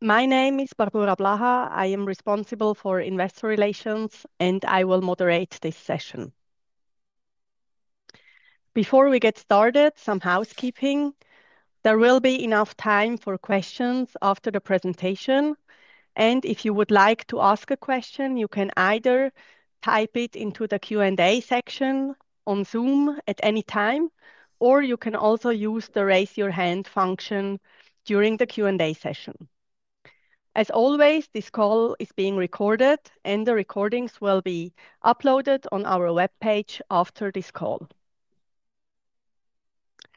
My name is Barboura Blaha. I am responsible for investor relations, and I will moderate this session. Before we get started, some housekeeping. There will be enough time for questions after the presentation. And if you would like to ask a question, you can either type it into the q and a section on Zoom at any time, or you can also use the raise your hand function during the q and a session. As always, this call is being recorded, and the recordings will be uploaded on our web page after this call.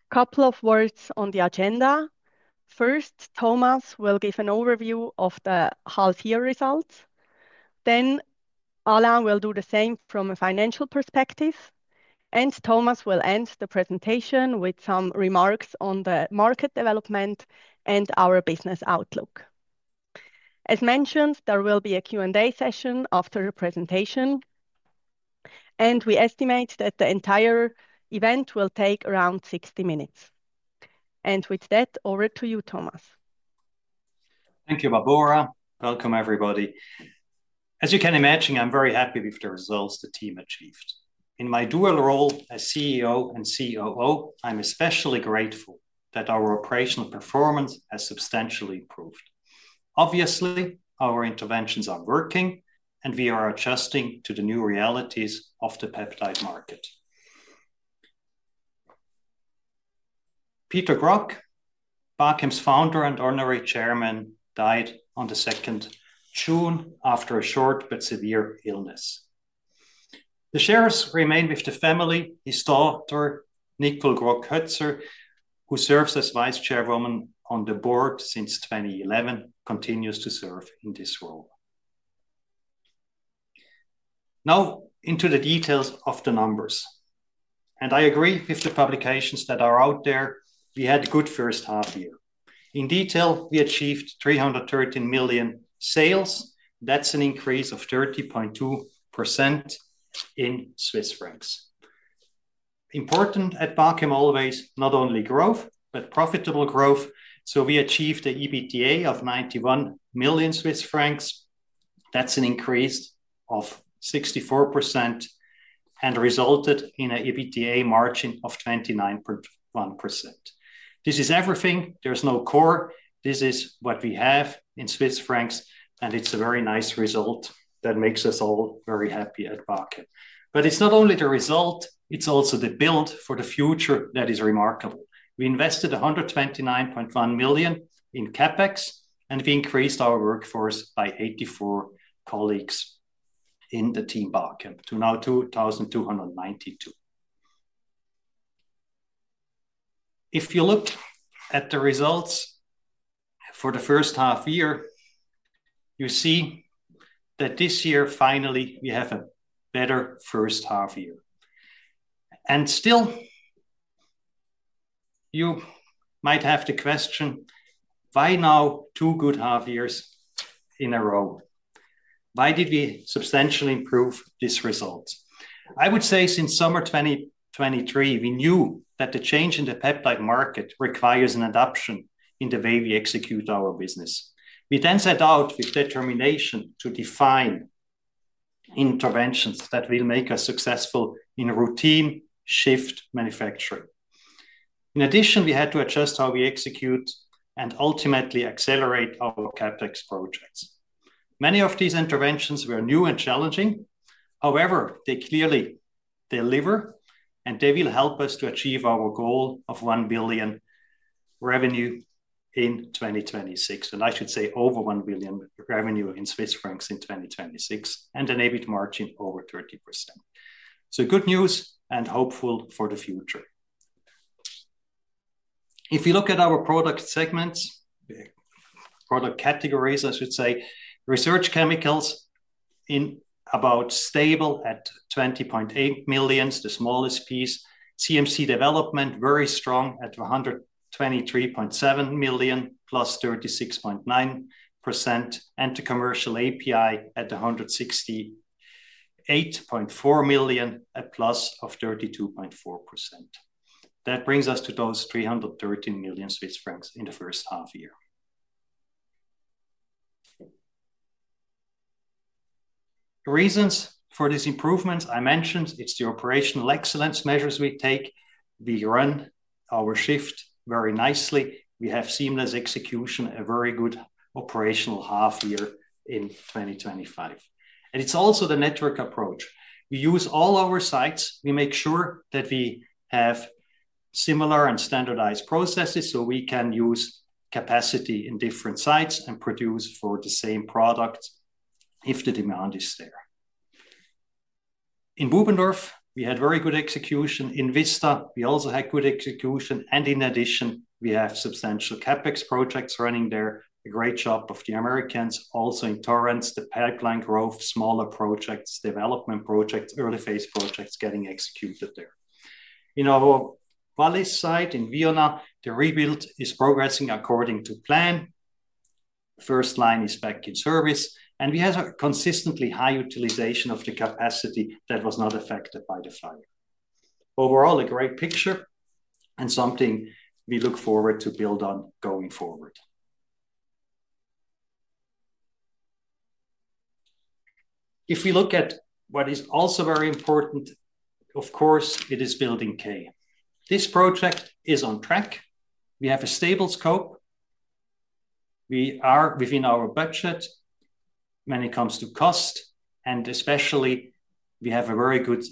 Couple of words on the agenda. First, Thomas will give an overview of the half year results. Then Alain will do the same from a financial perspective, and Thomas will end the presentation with some remarks on the market development and our business outlook. As mentioned, there will be a q and a session after the presentation, and we estimate that the entire event will take around sixty minutes. And with that, over to you, Thomas. Thank you, Barbara. Welcome, everybody. As you can imagine, I'm very happy with the results the team achieved. In my dual role as CEO and COO, I'm especially grateful that our operational performance has substantially improved. Obviously, our interventions are working, and we are adjusting to the new realities of the peptide market. Peter Grock, Baqem's founder and honorary chairman, died on the second June after a short but severe illness. The shares remain with the family. His daughter, Nikol Groc Hoetzer, who serves as vice chairwoman on the board since 2011, continues to serve in this role. Now into the details of the numbers. And I agree with the publications that are out there, we had a good first half year. In detail, we achieved $313,000,000 sales. That's an increase of 30.2% in Swiss francs. Important at Baqem always, not only growth, but profitable growth. So we achieved the EBITDA of 91,000,000 Swiss francs. That's an increase of 64% and resulted in a EBITDA margin of 29.1. This is everything. There's no core. This is what we have in Swiss francs, and it's a very nice result that makes us all very happy at Bakken. But it's not only the result, it's also the build for the future that is remarkable. We invested a 129,100,000 in CapEx, and we increased our workforce by 84 colleagues in the team back up to now 2,292. If you look at the results for the first half year, you see that this year, finally, we have a better first half year. And still, you might have the question, why now two good half years in a row? Why did we substantially improve these results? I would say since summer twenty twenty three, we knew that the change in the peptide market requires an adoption in the way we execute our business. We then set out with determination to define interventions that will make us successful in a routine shift manufacturing. In addition, we had to adjust how we execute and ultimately accelerate our CapEx projects. Many of these interventions were new and challenging. However, they clearly deliver, and they will help us to achieve our goal of 1,000,000,000 revenue in 2026. And I should say over 1,000,000,000 revenue in Swiss francs in 2026 and an EBIT margin over 30%. So good news and hopeful for the future. If you look at our product segments product categories, I should say, research chemicals in about stable at 20,800,000, the smallest piece. CMC development, very strong at a 123,700,000 plus 36.9%, and the commercial API at a 168,400,000, a plus of 32.4%. That brings us to those 313,000,000 Swiss francs in the first half year. The reasons for these improvements I mentioned, it's the operational excellence measures we take. We run our shift very nicely. We have seamless execution, a very good operational half year in 2025. And it's also the network approach. We use all our sites. We make sure that we have similar and standardized processes so we can use capacity in different sites and produce for the same product if the demand is there. In Buebendorf, we had very good execution. In Vista, we also had good execution. And in addition, we have substantial CapEx projects running there. A great job of the Americans. Also, in Torrance, the pipeline growth, smaller projects, development projects, early phase projects getting executed there. In our Vale site in Vienna, the rebuild is progressing according to plan. First line is back in service, and we have a consistently high utilization of the capacity that was not affected by the fire. Overall, a great picture and something we look forward to build on going forward. If we look at what is also very important, of course, it is building k. This project is on track. We have a stable scope. We are within our budget when it comes to cost, and, especially, we have a very good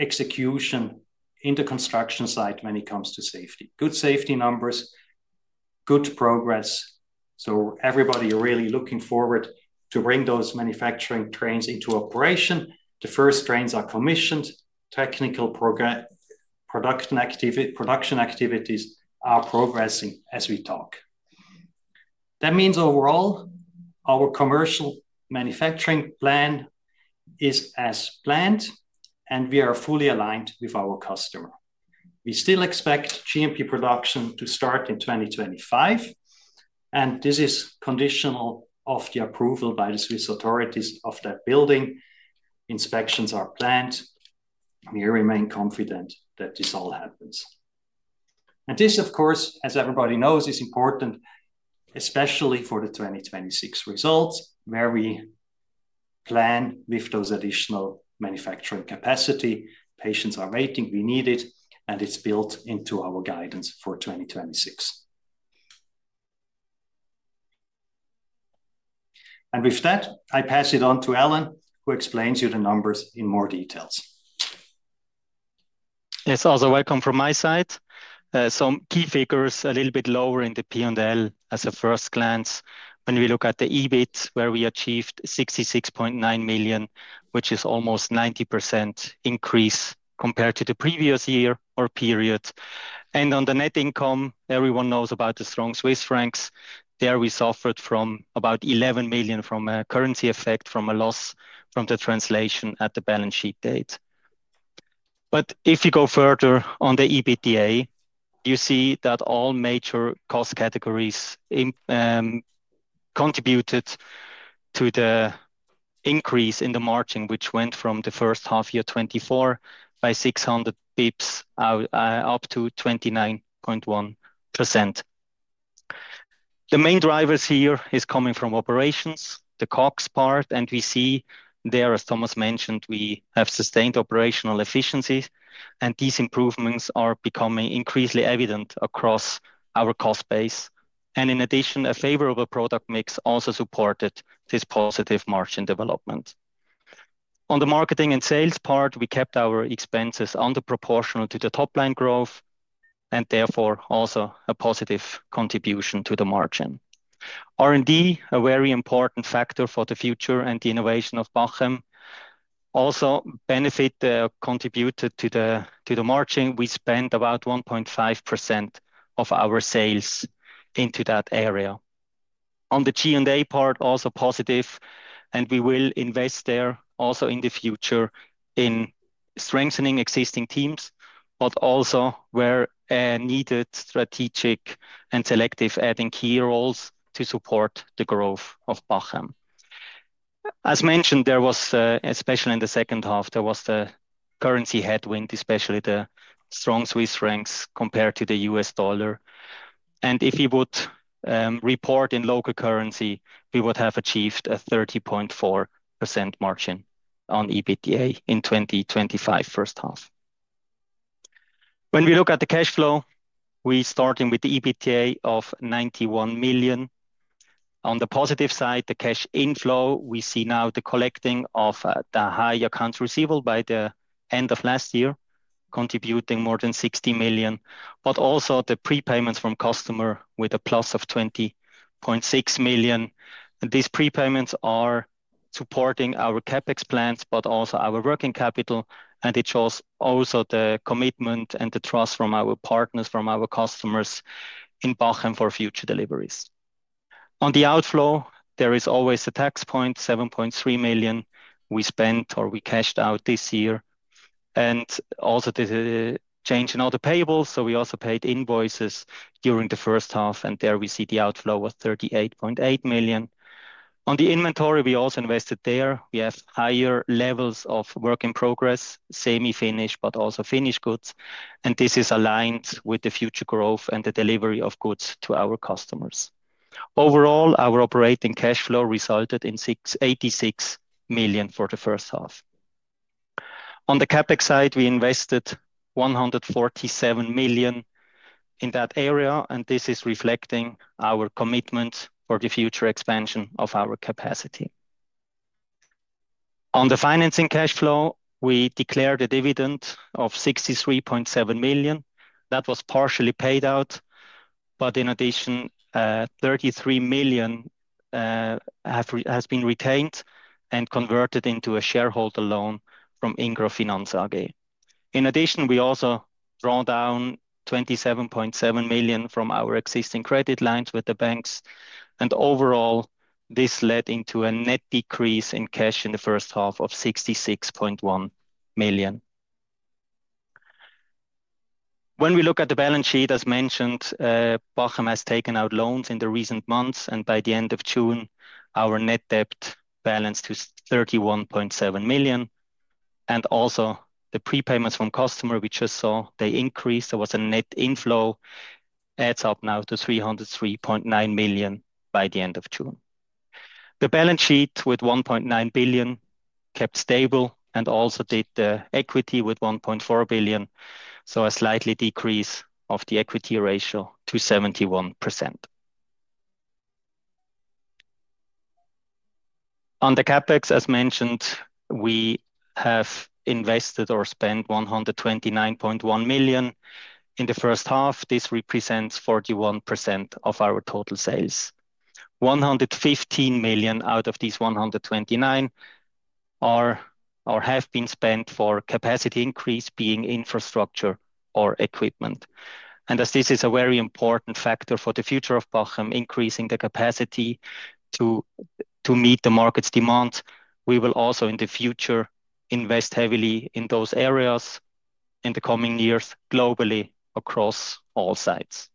execution in the construction site when it comes to safety. Good safety numbers, good progress. So everybody really looking forward to bring those manufacturing trains into operation. The first trains are commissioned. Technical program production activity production activities are progressing as we talk. That means overall, our commercial manufacturing plan is as planned, and we are fully aligned with our customer. We still expect GMP production to start in 2025, and this is conditional of the approval by the Swiss authorities of that building. Inspections are planned. We remain confident that this all happens. And this, of course, as everybody knows, is important, especially for the 2026 results where we plan with those additional manufacturing capacity. Patients are waiting. We need it, and it's built into our guidance for 2026. And with that, I pass it on to Alan, who explains you the numbers in more details. Yes. Also welcome from my side. Some key figures a little bit lower in the p and l as a first glance when we look at the EBIT where we achieved €66,900,000 which is almost 90% increase compared to the previous year or period. And on the net income, everyone knows about the strong Swiss francs. There, we suffered from about 11,000,000 from a currency effect from a loss from the translation at the balance sheet date. But if you go further on the EBITDA, you see that all major cost categories contributed to the increase in the margin, which went from the first half year twenty four by 600 bps up to 29.1%. The main drivers here is coming from operations, the COGS part, and we see there, as Thomas mentioned, we have sustained operational efficiencies, and these improvements are becoming increasingly evident across our cost base. And in addition, a favorable product mix also supported this positive margin development. On the marketing and sales part, we kept our expenses under proportional to the top line growth and therefore, also a positive contribution to the margin. R and D, a very important factor for the future and the innovation of Bochem, also benefit contributed to the margin. We spent about 1.5% of our sales into that area. On the g and a part, also positive, and we will invest there also in the future in strengthening existing teams, but also where needed strategic and selective adding key roles to support the growth of Bachem. As mentioned, there was especially in the second half, there was the currency headwind, especially the strong Swiss francs compared to the US dollar. And if you would report in local currency, we would have achieved a 30.4% margin on EBITDA in twenty twenty five first half. When we look at the cash flow, we're starting with the EBITDA of 91,000,000. On the positive side, the cash inflow, we see now the collecting of the high accounts receivable by the end of last year, contributing more than 60,000,000, but also the prepayments from customer with a plus of 20,600,000.0. And these prepayments are supporting our CapEx plans, but also our working capital, and it shows also the commitment and the trust from our partners, from our customers in Bachem for future deliveries. On the outflow, there is always a tax point, 7,300,000.0 we spent or we cashed out this year. And also, the change in auto payables, so we also paid invoices during the first half, and there, we see the outflow was 38,800,000.0. On the inventory, we also invested there. We have higher levels of work in progress, semi finished, but also finished goods, and this is aligned with the future growth and the delivery of goods to our customers. Overall, our operating cash flow resulted in 86,000,000 for the first half. On the CapEx side, we invested 147,000,000 in that area, and this is reflecting our commitment for the future expansion of our capacity. On the financing cash flow, we declared a dividend of million. That was partially paid out, But in addition, 3,000,000 has been retained and converted into a shareholder loan from Ingrafinansage. In addition, we also drawn down 27,700,000.0 from our existing credit lines with the banks. And overall, this led into a net decrease in cash in the first half of 66,100,000.0. When we look at the balance sheet, as mentioned, Bochem has taken out loans in the recent months. And by the June, our net debt balance to 31,700,000.0. And also the prepayments from customer, we just saw they increased. There was a net inflow, adds up now to 303,900,000.0 by the June. The balance sheet with 1,900,000,000.0 kept stable and also did equity with 1,400,000,000.0, so a slightly decrease of the equity ratio to 71%. On the CapEx, as mentioned, we have invested or spent €129,100,000 in the first half. This represents 41% of our total sales. 115,000,000 out of these 129,000,000 or have been spent for capacity increase being infrastructure or equipment. And as this is a very important factor for the future of Bochem increasing the capacity to meet the market's demand. We will also, in the future, invest heavily in those areas in the coming years globally across all sites.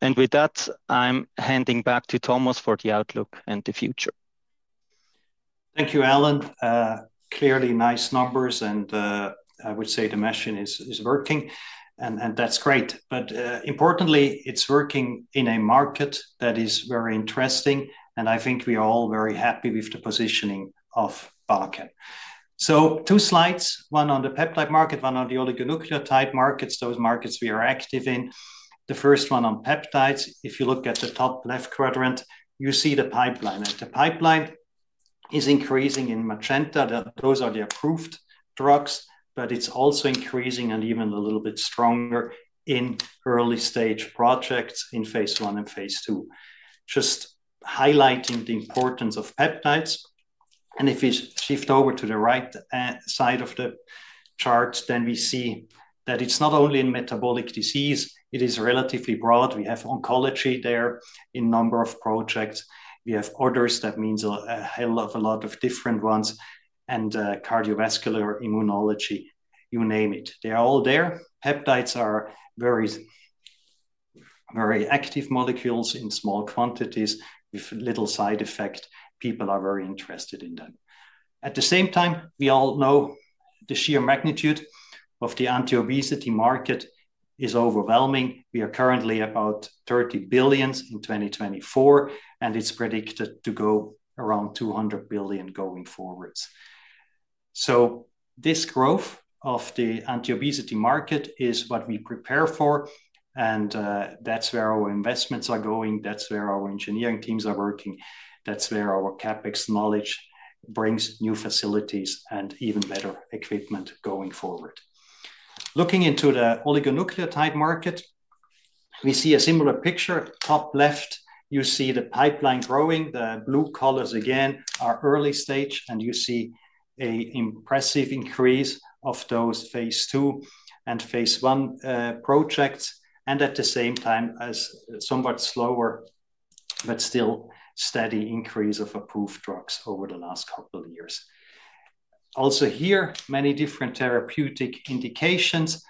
And with that, I'm handing back to Thomas for the outlook and the future. Thank you, Alan. Clearly nice numbers, and I would say the mission is is working, And that's great. But, importantly, it's working in a market that is very interesting, and I think we are all very happy with the positioning of Balacan. So two slides, one on the peptide market, one on the oligonucleotide markets, those markets we are active in. The first one on peptides, if you look at the top left quadrant, you see the pipeline. And the pipeline is increasing in Magenta. Those are the approved drugs, but it's also increasing and even a little bit stronger in early stage projects in phase one and phase two. Just highlighting the importance of peptides. And if we shift over to the right side of the chart, then we see that it's not only in metabolic disease. It is relatively broad. We have oncology there in number of projects. We have orders that means a hell of a lot of different ones and cardiovascular immunology, you name it. They are all there. Peptides are very very active molecules in small quantities with little side effect. People are very interested in them. At the same time, we all know the sheer magnitude of the anti obesity market is overwhelming. We are currently about 30 in 2024, and it's predicted to go around 200,000,000,000 going forwards. So this growth of the anti obesity market is what we prepare for, and that's where our investments are going. That's where our engineering teams are working. That's where our CapEx knowledge brings new facilities and even better equipment going forward. Looking into the oligonucleotide market, we see a similar picture. Top left, you see the pipeline growing. The blue colors again are early stage, and you see a impressive increase of those phase two and phase one projects and at the same time as somewhat slower but still steady increase of approved drugs over the last couple of years. Also here, many different therapeutic indications.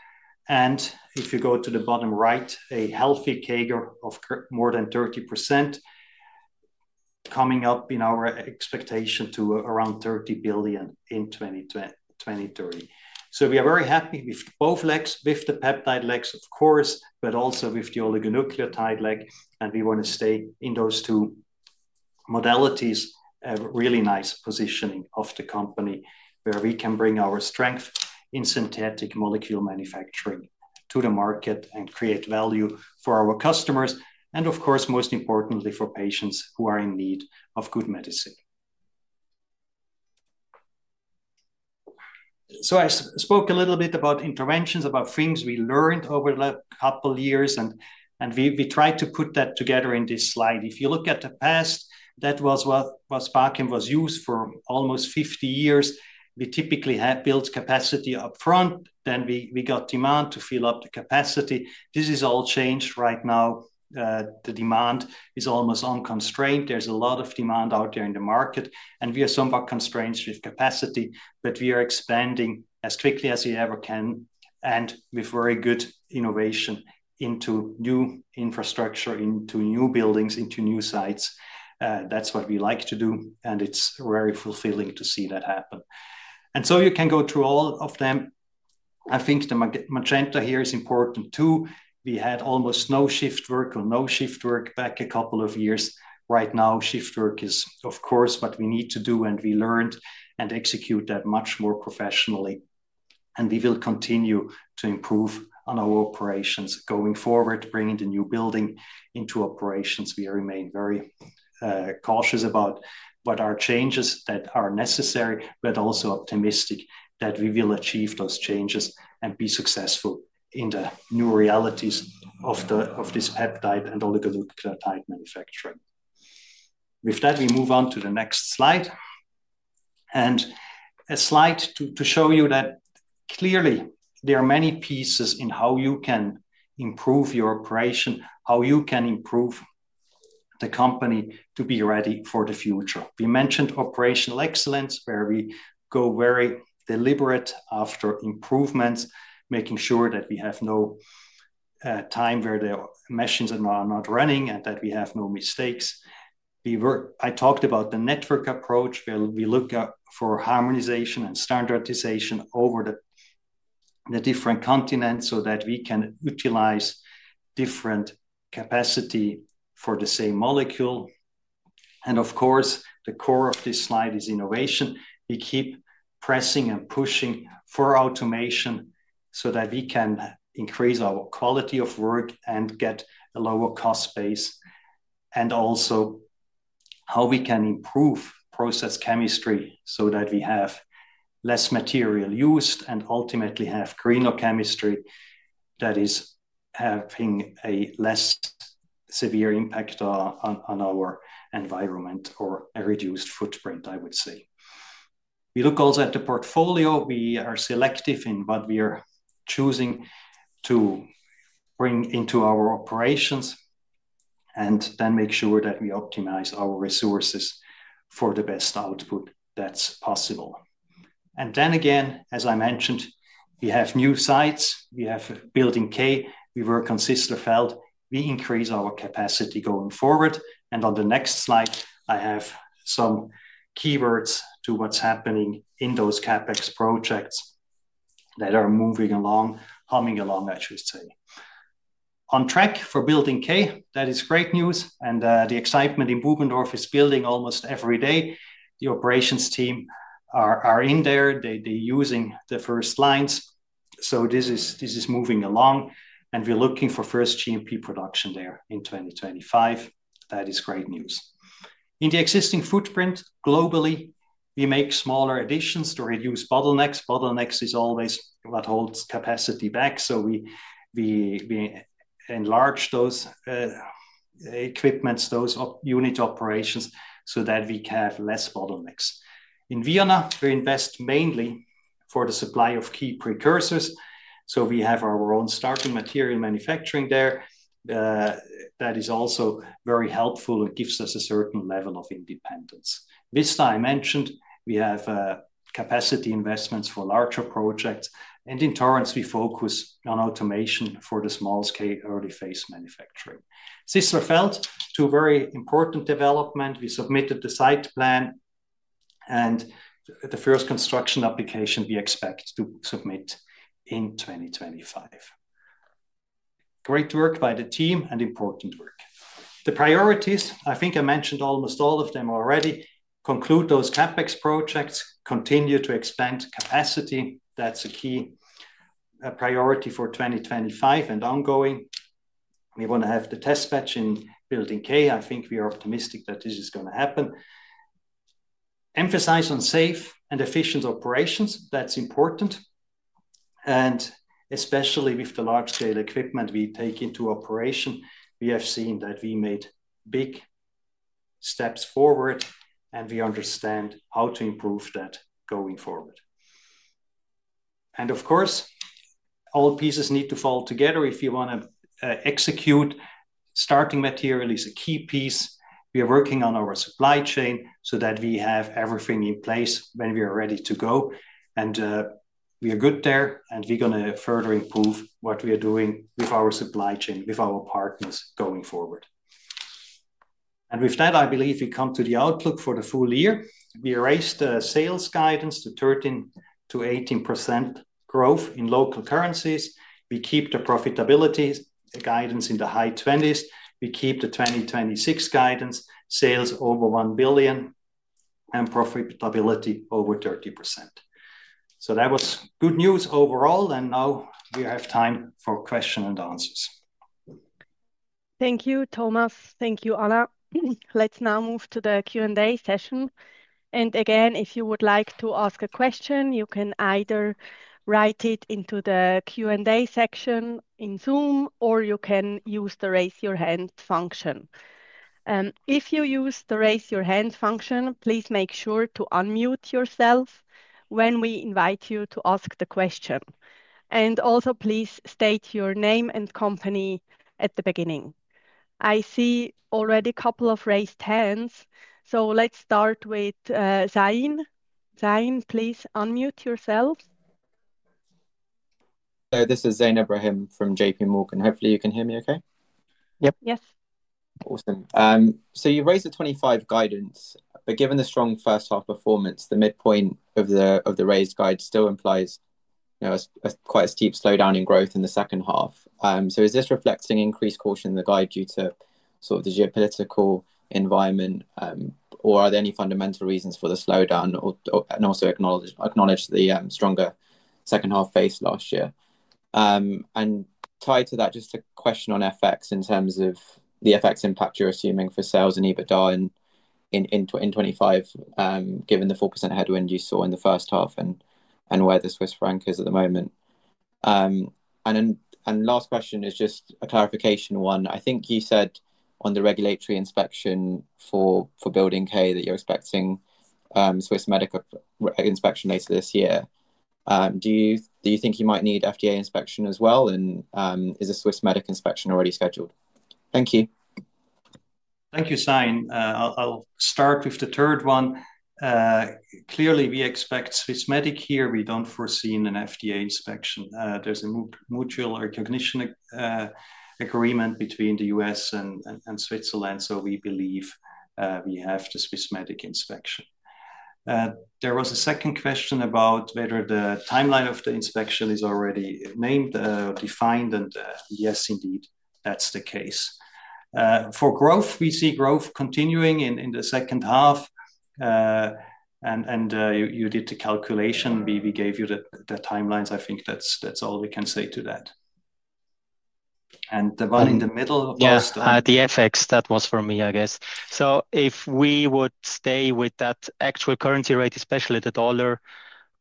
And if you go to the bottom right, a healthy CAGR of more than 30% coming up in our expectation to around 30,000,000,000 in twenty twenty two thousand thirty. So we are very happy with both legs, with the peptide legs, of course, but also with the oligonucleotide leg, and we wanna stay in those two modalities, a really nice positioning of the company where we can bring our strength in synthetic molecule manufacturing to the market and create value for our customers and, of course, most importantly, for patients who are in need of good medicine. So I spoke a little bit about interventions, about things we learned over the couple years, and and we we tried to put that together in this slide. If you look at the past, that was what while Sparken was used for almost fifty years. We typically have built capacity upfront, then we we got demand to fill up the capacity. This has all changed right now. The demand is almost unconstrained. There's a lot of demand out there in the market, and we are somewhat constrained with capacity. But we are expanding as quickly as we ever can and with very good innovation into new infrastructure, new buildings, into new sites. That's what we like to do, and it's very fulfilling to see that happen. And so you can go through all of them. I think the magenta here is important too. We had almost no shift work or no shift work back a couple of years. Right now, shift work is, of course, what we need to do, and we learned and execute that much more professionally. And we will continue to improve on our operations going forward, bringing the new building into operations. We remain very cautious about what are changes that are necessary, but also optimistic that we will achieve those changes and be successful in the new realities of the of this peptide and oligonucleotide manufacturing. With that, we move on to the next slide and a slide to to show you that, clearly, there are many pieces in how you can improve your operation, how you can improve the company to be ready for the future. We mentioned operational excellence where we go very deliberate after improvements, making sure that we have no time where the machines are not running and that we have no mistakes. We were I talked about the network approach where we look up for harmonization and standardization over the the different continents so that we can utilize different capacity for the same molecule. And, of course, the core of this slide is innovation. We keep pressing and pushing for automation so that we can increase our quality of work and get a lower cost base and also how we can improve process chemistry so that we have less material used and ultimately have greener chemistry that is having a less severe impact on on our environment or a reduced footprint, I would say. We look also at the portfolio. We are selective in what we are choosing to bring into our operations and then make sure that we optimize our resources for the best output that's possible. And then again, as I mentioned, we have new sites. We have Building K. We work on Sisterfeld. We increase our capacity going forward. And on the next slide, I have some keywords to what's happening in those CapEx projects that are moving along humming along, I should say. On track for building k. That is great news, and the excitement in Buebendorf is building almost every day. The operations team are are in there. They they're using the first lines. So this is this is moving along, and we're looking for first GMP production there in 2025. That is great news. In the existing footprint globally, we make smaller additions to reduce bottlenecks. Bottlenecks is always what holds capacity back, so we we we enlarge those equipments, those unit operations so that we have less bottlenecks. In Vienna, we invest mainly for the supply of key precursors. So we have our own starting material manufacturing there. That is also very helpful. It gives us a certain level of independence. Vista, I mentioned, we have capacity investments for larger projects. And in Torrance, we focus on automation for the small scale early phase manufacturing. Sisterfeld, two very important development. We submitted the site plan, and the first construction application, we expect to submit in 2025. Great work by the team and important work. The priorities, I think I mentioned almost all of them already, conclude those CapEx projects, continue to expand capacity. That's a key priority for 2025 and ongoing. We wanna have the test batch in Building K. I think we are optimistic that this is gonna happen. Emphasize on safe and efficient operations. That's important. And especially with the large scale equipment we take into operation, we have seen that we made big steps forward, and we understand how to improve that going forward. And, of course, all pieces need to fall together if you wanna execute. Starting material is a key piece. We are working on our supply chain so that we have everything in place when we are ready to go. And we are good there, and we're gonna further improve what we are doing with our supply chain, with our partners going forward. And with that, I believe we come to the outlook for the full year. We raised the sales guidance to 13 to 18 growth in local currencies. We keep the profitability guidance in the high twenties. We keep the 2026 guidance, sales over 1,000,000,000, and profitability over 30%. So that was good news overall, and now we have time for question and answers. Thank you, Thomas. Thank you, Anna. Let's now move to the q and a session. And, again, if you would like to ask a question, you can either write it into the q and a section in Zoom, or you can use the raise your hand function. If you use the raise your hand function, please make sure to unmute yourself when we invite you to ask the question. And, also, please state your name and company at the beginning. I see already couple of raised hands. So let's start with Zain. Zain, please unmute yourself. This is Zane Ebrahim from JPMorgan. Hopefully, you can hear me okay? Yes. Awesome. So you raised the 25% guidance. But given the strong first half performance, the midpoint of the raised guide still implies quite a steep slowdown in growth in the second half. So is this reflecting increased caution in the guide due to sort of the geopolitical environment? Or are there any fundamental reasons for the slowdown and also acknowledge the stronger second half base last year. And tied to that, just a question on FX in terms of the FX impact you're assuming for sales and EBITDA in 2025, given the 4% headwind you saw in the first half and where the Swiss franc is at the moment. And then and last question is just a clarification one. I think you said on the regulatory inspection for Building K that you're expecting Swiss medical inspection later this year. Do you you think you might need FDA inspection as well? And is the Swissmedic inspection already scheduled? Thank you. Thank you, Sain. I'll I'll start with the third one. Clearly, we expect Swissmedic here. We don't foresee an FDA inspection. There's a mutual recognition agreement between The US and and and Switzerland, so we believe we have the Swissmedic inspection. There was a second question about whether the timeline of the inspection is already named, defined, and, yes, indeed, that's the case. For growth, we see growth continuing in in the second half, and and you you did the calculation. We we gave you the the timelines. I think that's that's all we can say to that. And the one in the middle of last The FX. That was for me, I guess. So if we would stay with that actual currency rate, especially the dollar,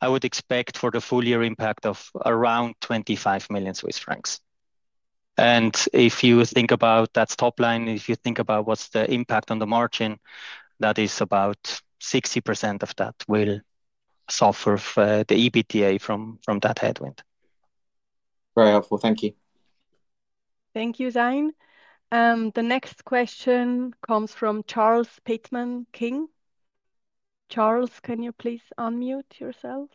I would expect for the full year impact of around 25,000,000 Swiss francs. And if you think about that's top line, if you think about what's the impact on the margin, that is about 60% of that will suffer the EBITDA from that headwind. Very helpful. Thank you. Thank you, Zain. The next question comes from Charles Pittman King. Charles, can you please unmute yourself?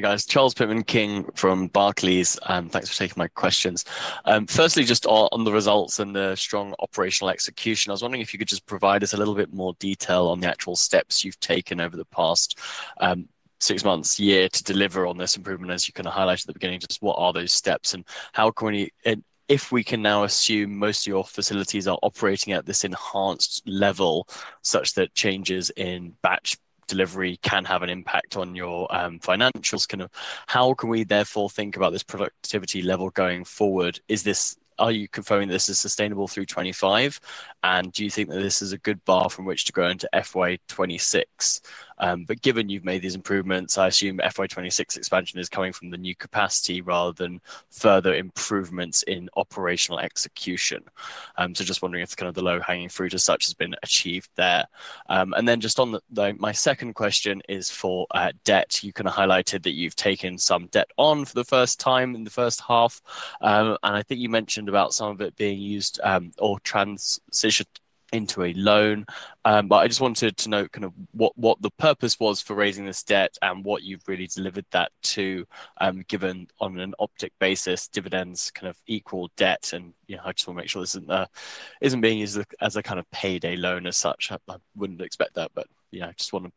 Guys. Charles Pittman King from Barclays. Firstly, just on the results and the strong operational execution. Was wondering if you could just provide us a little bit more detail on the actual steps you've taken over the past six months, year to deliver on this improvement as you kind of highlighted at the beginning, just what are those steps? How can we if we can now assume most of your facilities are operating at this enhanced level such that changes in batch delivery can have an impact on your financials kind of how can we therefore think about this productivity level going forward? Is this are you confirming this is sustainable through 2025? And do you think that this is a good bar from which to go into FY 2026? But given you've made these improvements, I assume FY 2026 expansion is coming from the new capacity rather than further improvements in operational execution. So just wondering if kind of the low hanging fruit as such has been achieved there. And then just on the my second question is for debt. You kind of highlighted that you've taken some debt on for the first time in the first half. And I think you mentioned about some of it being used or transitioned into a loan. But I just wanted to know kind of what what the purpose was for raising this debt and what you've really delivered that to given on an optic basis dividends kind of equal debts and, you know, I just wanna make sure this isn't isn't being used as a kind of payday loan as such. I wouldn't expect that, but I just want to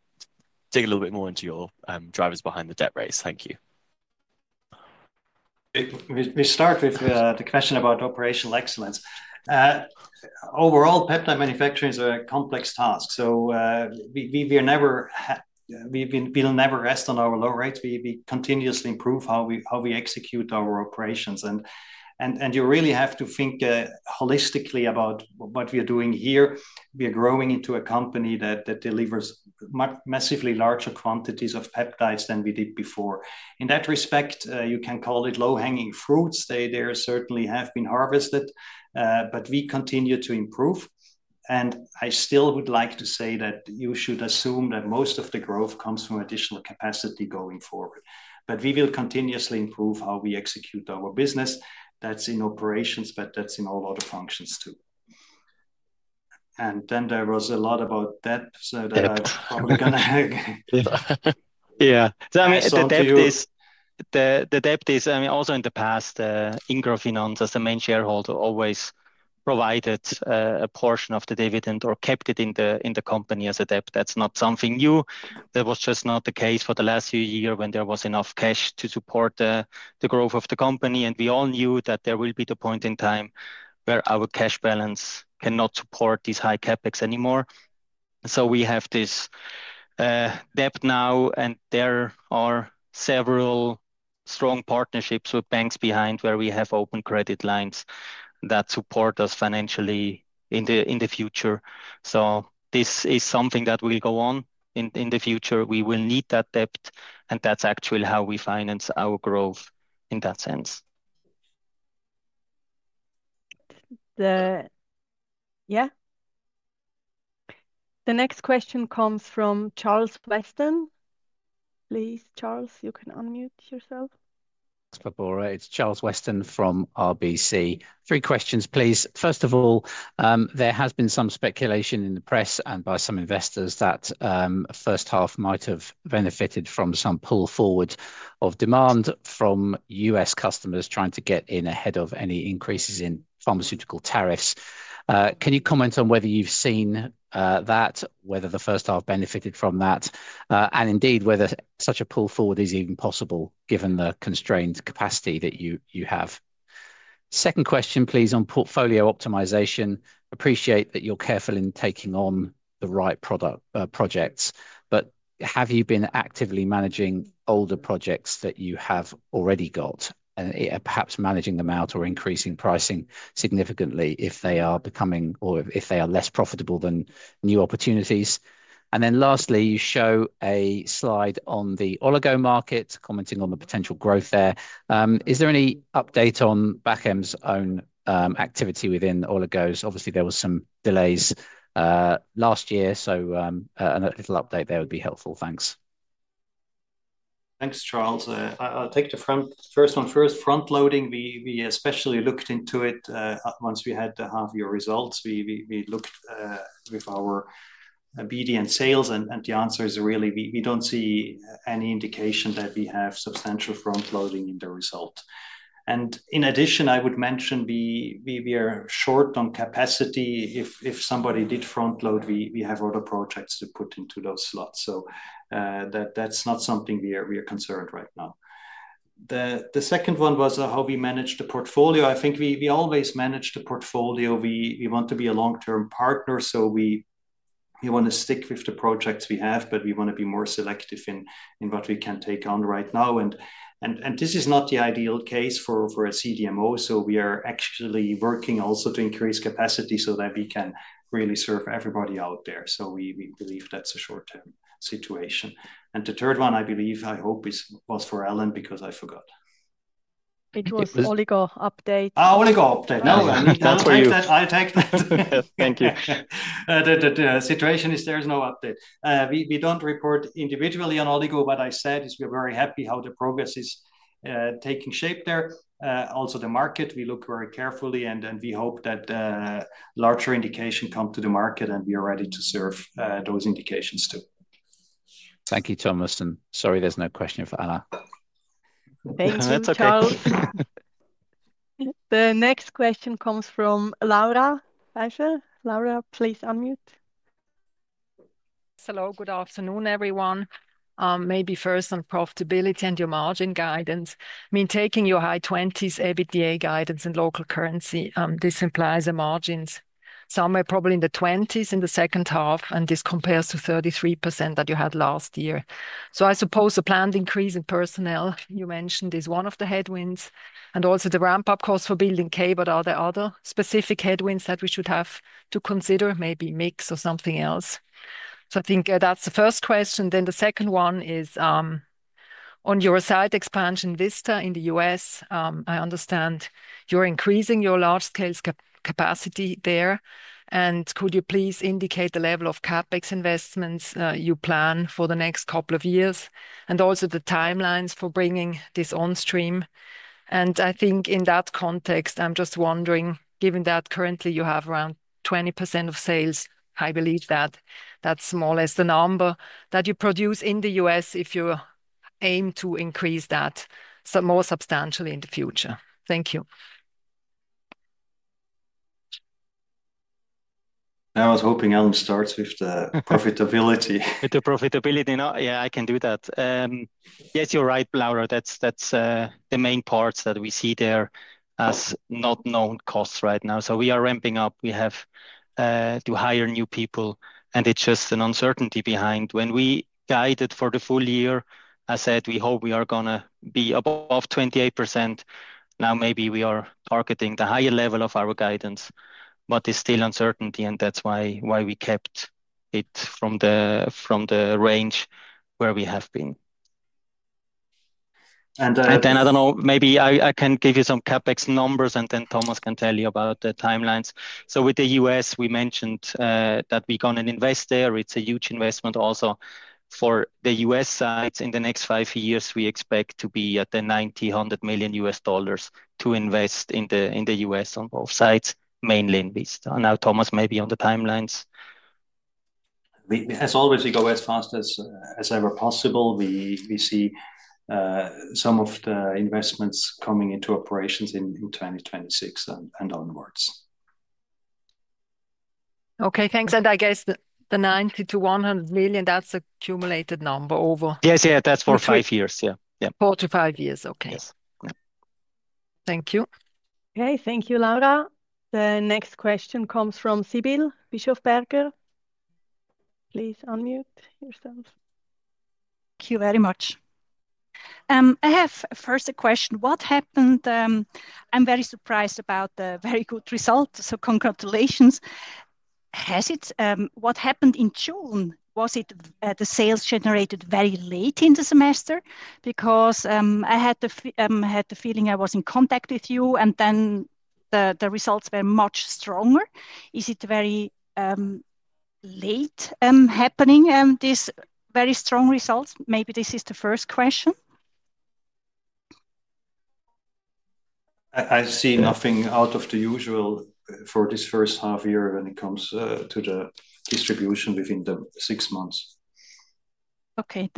dig a little bit more into your drivers behind the debt raise. We start with the question about operational excellence. Overall, peptide manufacturing is a complex task. So we we we are never we've been we'll never rest on our low rates. We we continuously improve how we how we execute our operations. And and and you really have to think holistically about what we are doing here. We are growing into a company that that delivers massively larger quantities of peptides than we did before. In that respect, you can call it low hanging fruits. They they certainly have been harvested, but we continue to improve. And I still would like to say that you should assume that most of the growth comes from additional capacity going forward. But we will continuously improve how we execute our business. That's in operations, but that's in all other functions too. And then there was a lot about debt so that I probably gonna Yeah. So, I mean, the debt is the the debt is I mean, also in the past, Ingo Finon, as the main shareholder, always provided a portion of the dividend or kept it in the company as a debt. That's not something new. That was just not the case for the last few year when there was enough cash to support the growth of the company. And we all knew that there will be the point in time where our cash balance cannot support this high CapEx anymore. So we have this debt now, and there are several strong partnerships with banks behind where we have open credit lines that support us financially in the in the future. So this is something that will go on in in the future. We will need that depth, and that's actually how we finance our growth in that sense. The yeah. The next question comes from Charles Weston. Please, Charles, you can unmute yourself. It's Charles Weston from RBC. Three questions, please. First of all, there has been some speculation in the press and by some investors that first half might have benefited from some pull forward of demand from U. S. Customers trying to get in ahead of any increases in pharmaceutical tariffs. Can you comment on whether you've seen that, whether the first half benefited from that? And indeed, whether such a pull forward is even possible given the constrained capacity that you have. Second question, please, on portfolio optimization. Appreciate that you're careful in taking on the right product projects. But have you been actively managing older projects that you have already got? And perhaps managing them out or increasing pricing significantly if they are becoming or if they are less profitable than new opportunities. And then lastly, you show a slide on the oligo market commenting on the potential growth there. Is there any update on Bachem's own activity within oligos? Obviously, there were some delays last year, so a little update there would be helpful. Thanks. Thanks, Charles. I'll take the front first one first. Front loading, we we especially looked into it once we had the half year results. We we we looked with our obedience sales, and and the answer is really we we don't see any indication that we have substantial front loading in the result. And in addition, I would mention we we we are short on capacity. If if somebody did front load, we we have other projects to put into those slots. So that that's not something we are we are concerned right now. The the second one was how we manage the portfolio. I think we we always manage the portfolio. We we want to be a long term partner, so we we wanna stick with the projects we have, but we wanna be more selective in in what we can take on right now. And and and this is not the ideal case for for a CDMO, so we are actually actually working also to increase capacity so that we can really serve everybody out there. So we we believe that's a short term situation. And the third one, I believe, I hope is was for Ellen because I forgot. It was Oligo update. Oligo update. No. That's for you. I'll take that. Thank you. The the situation is there's no update. We we don't report individually on Oligo. What I said is we're very happy how the progress is taking shape there. Also, the market, we look very carefully, and then we hope that larger indication come to the market, and we are ready to serve those indications too. Thank you, Thomas. And sorry there's no question for Anna. You, The next question comes from Laura Feischer. Laura, please unmute. Hello. Good afternoon, everyone. Maybe first on profitability and your margin guidance. I mean taking your high 20s EBITDA guidance in local currency, this implies the margins somewhere probably in the 20s in the second half, and this compares to 33% that you had last year. So I suppose the planned increase in personnel, you mentioned, is one of the headwinds and also the ramp up costs for Building K, but are there other specific headwinds that we should have to consider, maybe mix or something else? So I think that's the first question. Then the second one is on your site expansion, Vista, in The U. S. I understand you're increasing your large scale capacity there. And could you please indicate the level of CapEx investments you plan for the next couple of years and also the time lines for bringing this onstream? And I think in that context, I'm just wondering, given that currently, you have around 20% of sales, I believe that that's small as the number that you produce in The U. S. If you aim to increase that more substantially in the future? I was hoping Alan starts with the profitability. With the profitability. No. Yeah. I can do that. Yes. You're right, Blaura. That's that's the main parts that we see there as not known costs right now. So we are ramping up. We have to hire new people, and it's just an uncertainty behind. When we guided for the full year, I said we hope we are gonna be above 28%. Now maybe we are targeting the higher level of our guidance, but there's still uncertainty, and that's why why we kept it from the from the range where we have been. And then And then I don't know. Maybe I I can give you some CapEx numbers, and then Thomas can tell you about the time lines. So with The US, we mentioned that we're invest there. It's a huge investment also for The US sites. In the next five years, we expect to be at the $90,100,000,000 US dollars to invest in the in The US on both sides, mainly in Vista. And now, Thomas, maybe on the time lines. We we as always, we go as fast as as ever possible. We we see some of the investments coming into operations in in 2026 and and onwards. Okay. Thanks. And I guess the the 90 to 100,000,000, that's a cumulated number over Yes. Yeah. That's for five years. Yeah. Yeah. Four to five years. Okay. Yes. Yeah. Thank you. Okay. Thank you, Laura. The next question comes from Sibyl, Bischofberger. Please unmute yourself. Thank you very much. I have first a question. What happened? I'm very surprised about the very good result, so congratulations. Has it what happened in June? Was it the sales generated very late in the semester? Because I had the had the feeling I was in contact with you, and then the the results were much stronger. Is it very, late, happening, these very strong results? Maybe this is the first question. I see nothing out of the usual for this first half year when it comes to the distribution within the six months. Okay.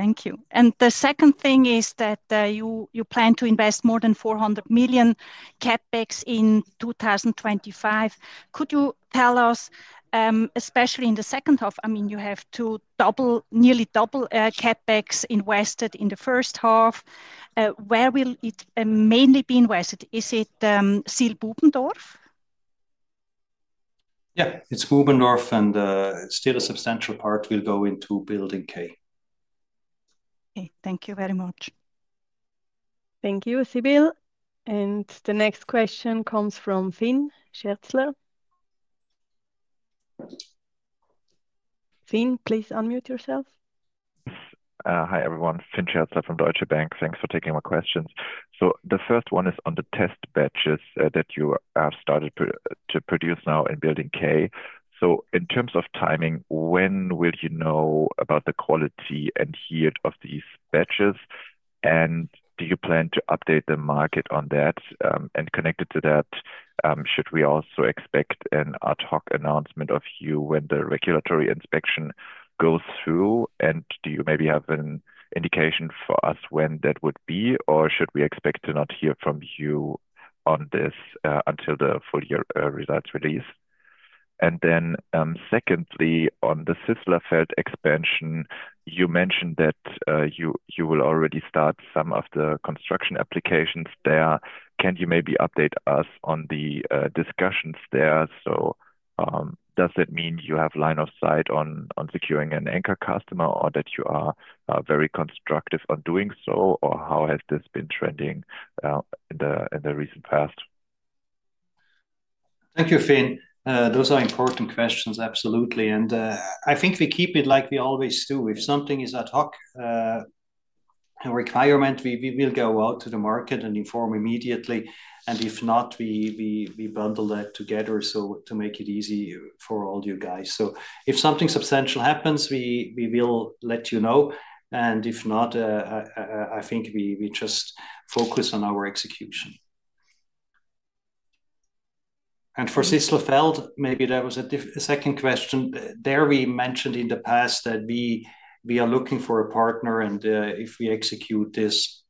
And the second thing is that you plan to invest more than 400,000,000 CapEx in 2025. Could you tell us, especially in the second half, I mean, you have to double nearly double CapEx invested in the first half. Where will it mainly be invested? Is it still Bubendorf? Yeah. It's Bubendorf, and still a substantial part will go into Building K. K. Thank you very much. Thank you, Sibyl. And the next question comes from Fin Scherzler. Fin, please unmute yourself. Everyone. Finch Herzl from Deutsche Bank. Thanks for taking my questions. So the first one is on the test batches that you have started to produce now in Building K. So in terms of timing, when will you know about the quality and heat of these batches? And do you plan to update the market on that? And connected to that, should we also expect an ad hoc announcement of you when the regulatory inspection goes through? And do you maybe have an indication for us when that would be? Or should we expect to not hear from you on this until the full year results release? And then secondly, on the sislafed expansion, you mentioned that you will already start some of the construction applications there. Can you maybe update us on the discussions there? So does that mean you have line of sight on securing an anchor customer or that you are very constructive on doing so, or how has this been trending in the in the recent past? Thank you, Fin. Those are important questions, absolutely. And I think we keep it like we always do. If something is a talk requirement, we we will go out to the market and inform immediately. And if not, we we we bundle that together so to make it easy for all you guys. So if something substantial happens, we we will let you know. And if not, I think we we just focus on our execution. And for Sislaffelt, maybe that was a diff second question. There we mentioned in the past that we we are looking for a partner. And, if we execute this,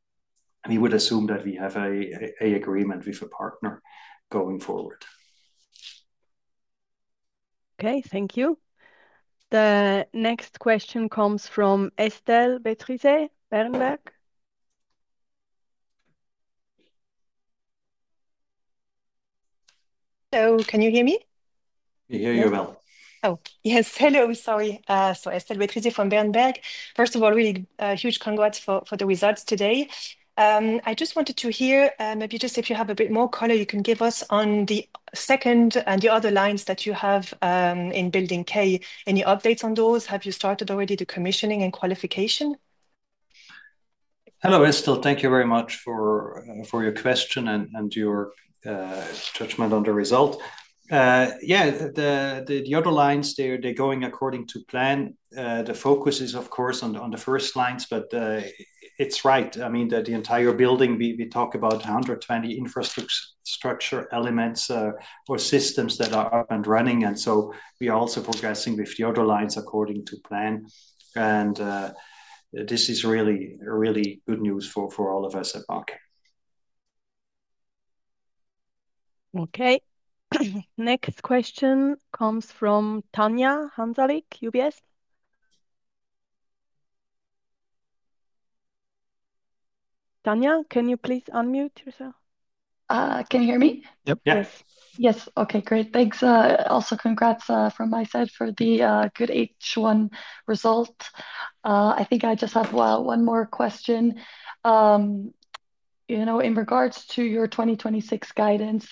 we would assume that we have a agreement with a partner going forward. Okay. Thank you. The next question comes from Estelle Beatriz, Berenberg. Hello. Can you hear me? We hear you well. Oh, yes. Hello. Sorry. So Estelle from Berenberg. First of all, really huge congrats for for the results today. I just wanted to hear maybe just if you have a bit more color you can give us on the second and the other lines that you have in building k. Any updates on those? Have you started already the commissioning and qualification? Hello, Estelle. Thank you very much for for your question and and your judgment on the result. Yeah. The the the other lines, they're they're going according to plan. The focus is, of course, on the on the first lines, but it's right. I mean, the the entire building, we we talk about a 120 infrastructure infrastructure elements or systems that are up and running, and so we are also progressing with the other lines according to plan. And this is really, really good news for for all of us at market. Okay. Next question comes from Tanya Hanzarik, UBS. Tanya, can you please unmute yourself? Can you hear me? Yes. Okay. Great. Thanks. Also congrats from my side for the good H1 result. I think I just have one more question. You know, in regards to your 2026 guidance,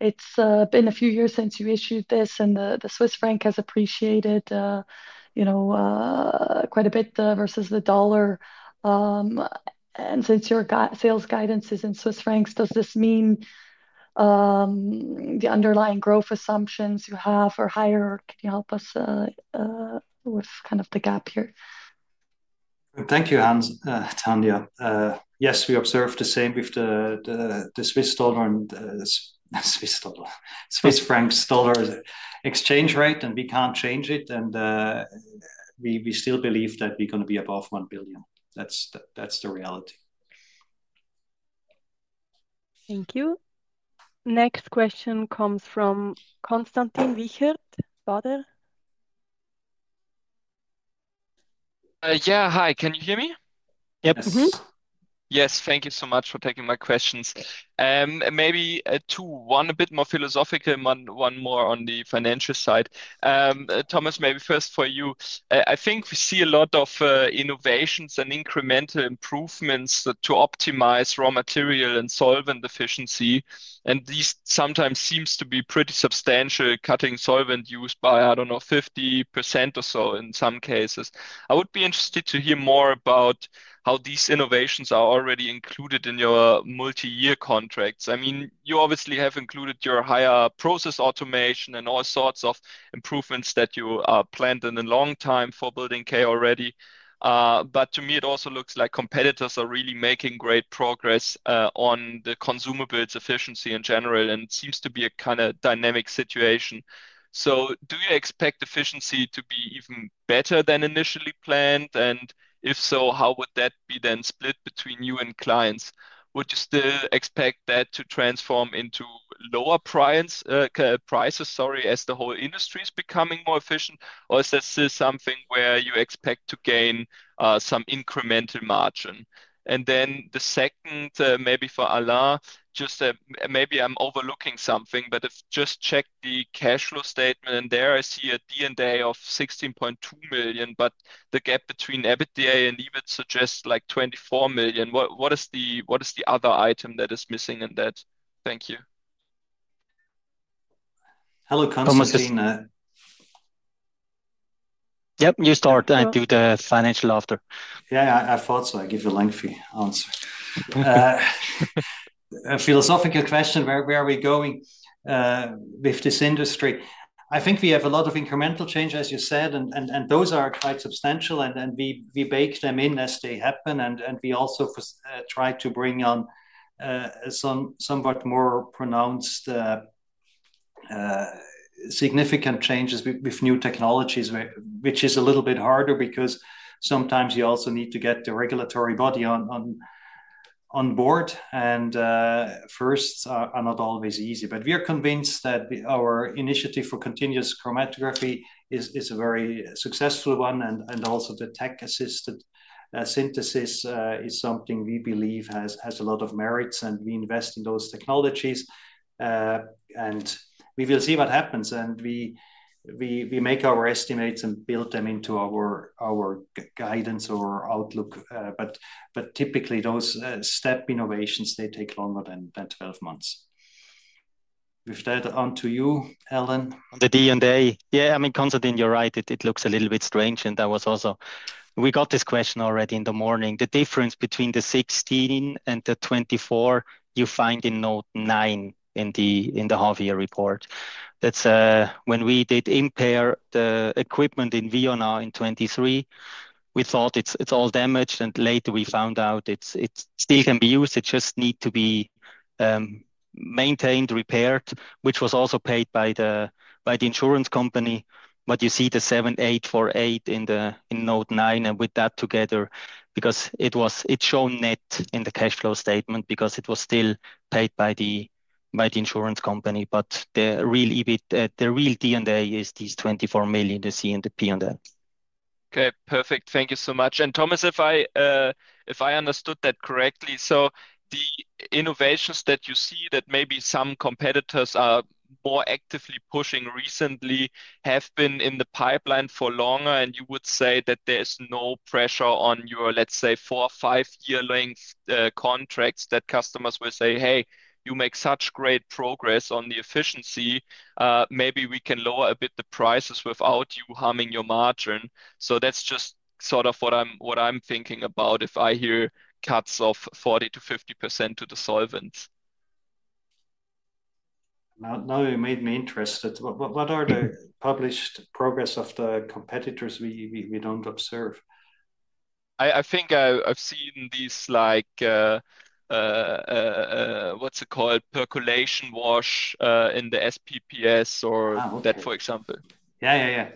it's been a few years since you issued this, and the Swiss franc has appreciated, you know, quite a bit versus the dollar. And since your sales guidance is in Swiss francs, does this mean the underlying growth assumptions you have are higher? Can you help us with kind of the gap here? Thank you, Hans Tanya. Yes. We observed the same with the the the Swiss dollar and the Swiss dollar Swiss francs dollar exchange rate, and we can't change it. And we we still believe that we're gonna be above 1,000,000,000. That's the that's the reality. Thank you. Next question comes from Konstantin Wichert, Yes. Can you hear me? Yes. Maybe two one a bit more philosophical and one more on the financial side. Thomas, maybe first for you. I think we see a lot of innovations and incremental improvements to optimize raw material and solvent efficiency, and this sometimes seems to be pretty substantial cutting solvent used by, I don't know, 50% or so in some cases. I would be interested to hear more about how these innovations are already included in your multiyear contracts. I mean, you obviously have included your higher process automation and all sorts of improvements that you planned in a long time for building k already. But to me, it also looks like competitors are really making great progress on the consumables efficiency in general and seems to be a kinda dynamic situation. So do you expect efficiency to be even better than initially planned? And if so, how would that be then split between you and clients? Would you still expect that to transform into lower price prices, sorry, as the whole industry is becoming more efficient? Or is this something where you expect to gain some incremental margin? And then the second, maybe for Alain, just maybe I'm overlooking something, but if just check the cash flow statement there, I see a d and a of 16,200,000.0, but the gap between EBITDA and EBIT suggests, like, 24,000,000. What what is the what is the other item that is missing in that? Thank you. Hello, Constantine. Yep. You start and do the financial after. Yeah. I thought so. I give you a lengthy answer. Philosophical question, where where are we going with this industry? I think we have a lot of incremental change, as you said, and and and those are quite substantial, and then we we bake them in as they happen. And and we also try to bring on some somewhat more pronounced significant changes with with new technologies, which is a little bit harder because sometimes you also need to get the regulatory body on on onboard. And first, I'm not always easy. But we are convinced that our initiative for continuous chromatography is is a very successful one, and and also the tech assisted synthesis is something we believe has has a lot of merits, and we invest in those technologies. And we will see what happens, and we we we make our estimates and build them into our our guidance or outlook. But but, typically, those step innovations, they take longer than than twelve months. With that, on to you, Helen. The d and a. Yeah. I mean, Konstantin, you're right. It it looks a little bit strange, and that was also we got this question already in the morning. The difference between the 16 and the 24, you find in note nine in the in the half year report. That's when we did impair the equipment in Vionna in '23, we thought it's it's all damaged, and later we found out it's it's still can be used. It just need to be maintained, repaired, which was also paid by the by the insurance company. But you see the $7.08 $4.08 in the in node nine and with that together because it was it's shown net in the cash flow statement because it was still paid by the by the insurance company. But the real EBIT the real d and a is this 24,000,000, the c and the p and a. K. Perfect. Thank you so much. And, Thomas, if I if I understood that correctly, so the innovations that you see that maybe some competitors are more actively pushing recently have been in the pipeline for longer, and you would say that there's no pressure on your, let's say, four or five year length contracts that customers will say, hey. You make such great progress on the efficiency. Maybe we can lower a bit the prices without you harming your margin. So that's just sort of what I'm what I'm thinking about if I hear cuts of 40 to 50% to the solvent. Now now you made me interested. What what what are the published progress of the competitors we we we don't observe? I I think I I've seen these, like, what's it called, percolation wash in the SPPS or that, for example. Yeah. Yeah.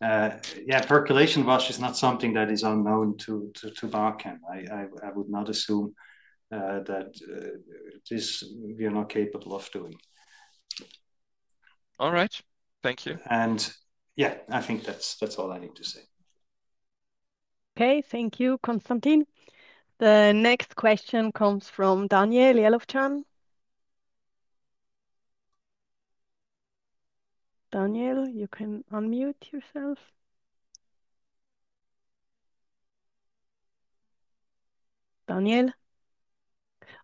Yeah. Yeah. Percolation wash is not something that is unknown to to to Bachem. I I I would not assume that this we are not capable of doing. Alright. Thank you. And, yeah, I think that's that's all I need to say. K. Thank you, Konstantin. The next question comes from Daniel Lelofchan. Daniel, you can unmute yourself. Daniel?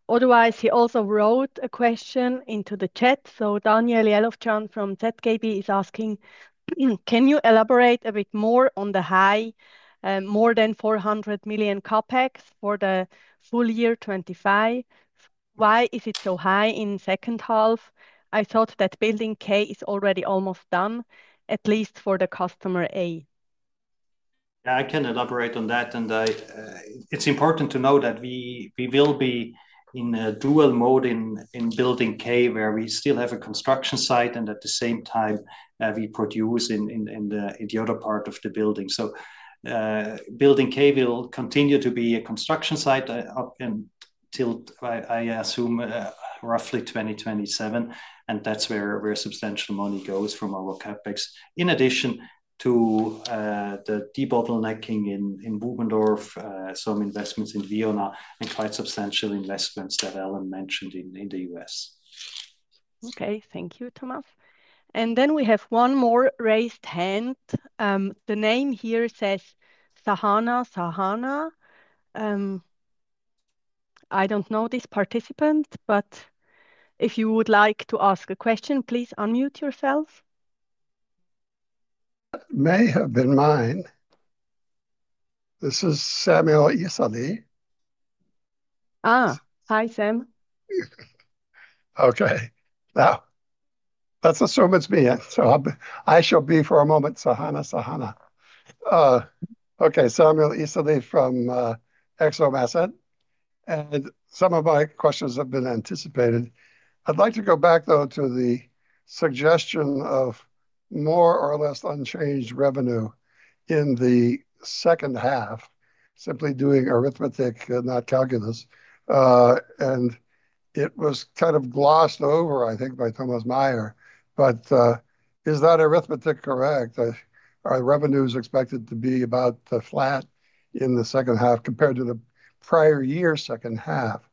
Otherwise, he also wrote a question into the chat. So Daniel from ZKB is asking, can you elaborate a bit more on the high more than 400,000,000 CapEx for the full year '25? Why is it so high in second half? I thought that Building K is already almost done, at least for the customer a. I can elaborate on that, and I it's important to know that we we will be in a dual mode in in Building K where we still have a construction site and at the same time, we produce in in in the in the other part of the building. So Building K will continue to be a construction site up until, I assume, roughly 2027, and that's where where substantial money goes from our CapEx. In addition to the debottlenecking in in Buffendorf, some investments in Vienna, and quite substantial investments that Alan mentioned in in The US. Okay. Thank you, Thomas. And then we have one more raised hand. The name here says, Sahana Sahana. I don't know this participant, but if you would like to ask a question, please unmute yourself. May have been mine. This is Samuel. Ah, hi, Sam. Okay. Now let's assume it's me. So I'll be I shall be for a moment, Sahana, Sahana. Okay. Samuel Isale from Exome Asset, and some of my questions have been anticipated. I'd like to go back though to the suggestion of more or less unchanged revenue in the second half, simply doing arithmetic and not calculus. And it was kind of glossed over, I think, by Thomas Meyer. But is that arithmetic correct? Our revenue is expected to be about flat in the second half compared to the prior year second half.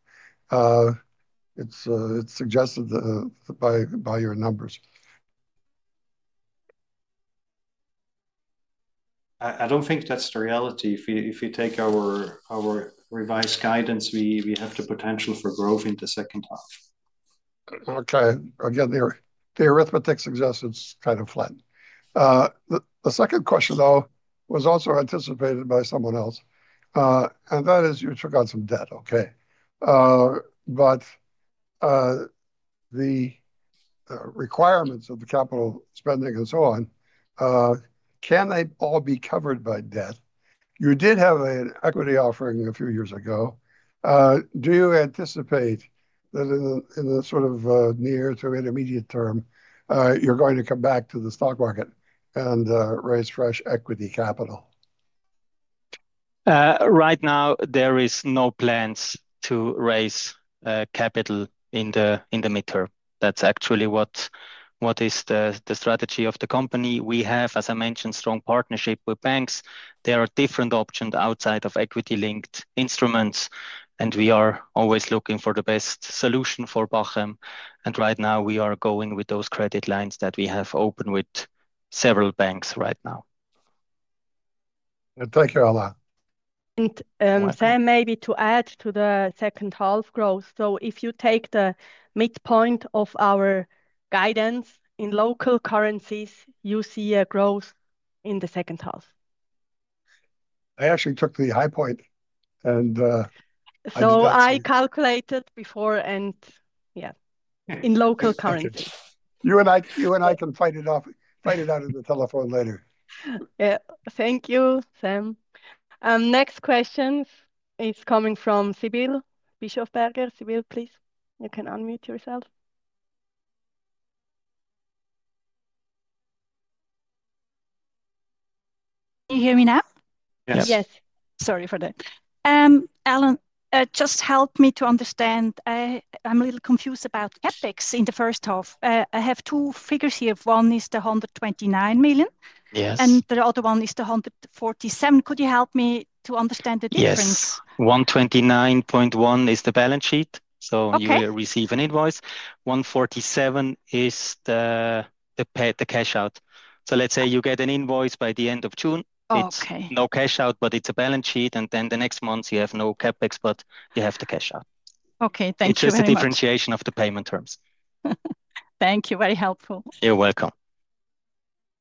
It's it's suggested by by your numbers. I I don't think that's the reality. If you if you take our our revised guidance, we we have the potential for growth in the second half. Okay. Again, the the arithmetic suggests it's kind of flat. The the second question, though, was also anticipated by someone else, and that is you took out some debt. Okay? But the requirements of the capital spending and so on, can they all be covered by debt? You did have an equity offering a few years ago. Do you anticipate that in the in the sort of near to intermediate term, you're going to come back to the stock market and raise fresh equity capital? Right now, there is no plans to raise capital in the in the midterm. That's actually what what is the the strategy of the company. We have, as I mentioned, strong partnership with banks. There are different options outside of equity linked instruments, and we are always looking for the best solution for Bochem. And right now, we are going with those credit lines that we have opened with several banks right now. Thank you, Alain. And, Sam, maybe to add to the second half growth. So if you take the midpoint of our guidance in local currencies, you see a growth in the second half. I actually took the high point. And So I calculated before and yeah. In local currency. You and I you and I can fight it off fight it out in the telephone later. Yeah. Thank you, Sam. Next question is coming from Sibyl Bischofberger. Sibyl, please. You can unmute yourself. Can you hear me now? Yes. Yes. Sorry for that. Alan, just help me to understand. I'm a little confused about CapEx in the first half. I have two figures here. One is the 129,000,000 and the other one is 147. Could you help me to understand the difference? $1.29.1 is the balance sheet. So you will receive an invoice. $1.47 is the the pay the cash out. So let's say you get an invoice by the June. It's no cash out, but it's a balance sheet. And then the next month, you have no CapEx, but you have to cash out. Okay. Thank differentiation of the payment terms. Thank you. Very helpful. You're welcome.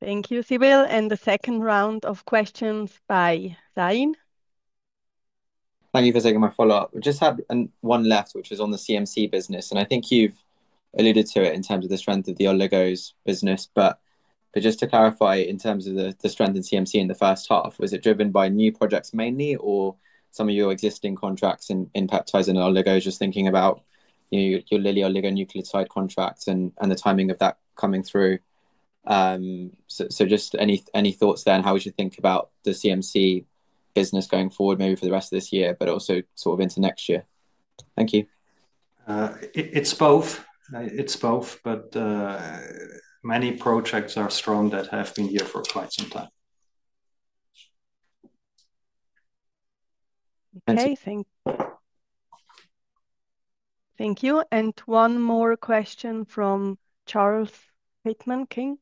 Thank you, Sibyl. And the second round of questions by Zain. Thank you for taking my follow-up. We just have one left, which is on the CMC business. And I think you've alluded to it in terms of the strength of the Oligos business. But just to clarify, in terms of the strength in CMC in the first half, was it driven by new projects mainly or some of your existing contracts in peptides and oligos? Just thinking about your Lilly oligonucleotide contracts and the timing of that coming through. So so just any any thoughts then how we should think about the CMC business going forward maybe for the rest of this year, but also sort of into next year? Thank you. It it's both. It's both, but many projects are strong that have been here for quite some time. Okay. Thank Thank you. And one more question from Charles Pittman King.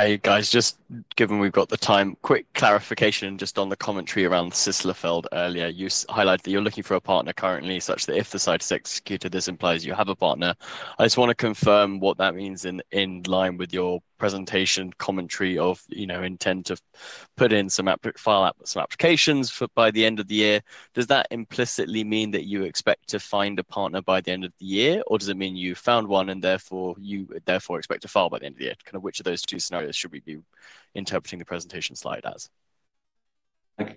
Hey, guys. Just given we've got the time, quick clarification just on the commentary around Sislerfeld earlier. You highlight that you're looking for a partner currently such that if the site is executed, this implies you have a partner. I just want to confirm what that means in line with your presentation commentary of intent to put in some applications by the end of the year. Does that implicitly mean that you expect to find a partner by the end of the year? Or does it mean you found one and therefore expect to file by the end of year? Which of those two scenarios should we be interpreting the presentation slide as? Okay.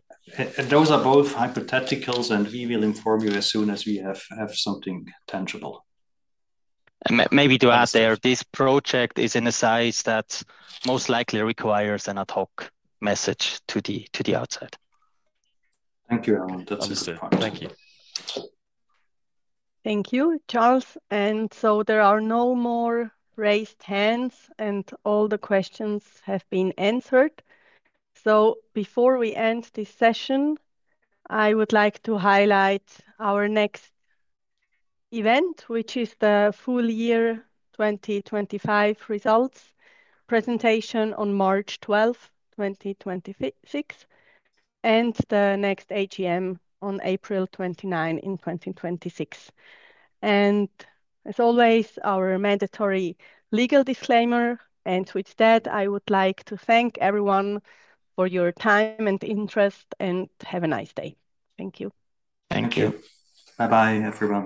Those are both hypotheticals, and we will inform you as soon as we have have something tangible. And maybe to add there, this project is in a size that most likely requires an ad hoc message to the to the outside. Thank you, Erwin. That's the point. Thank you. Thank you, Charles. And so there are no more raised hands, and all the questions have been answered. So before we end this session, I would like to highlight our next event, which is the full year 2025 results presentation on 03/12/2026 and the next AGM on April 29 in 2026. And as always, our mandatory legal disclaimer. And with that, I would like to thank everyone for your time and interest, and have a nice day. Thank you. Thank you. Bye bye, everyone.